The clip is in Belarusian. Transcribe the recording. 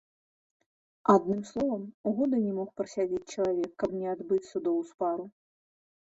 Адным словам, года не мог прасядзець чалавек, каб не адбыць судоў з пару.